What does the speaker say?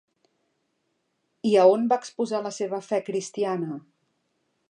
I a on va exposar la seva fe cristiana?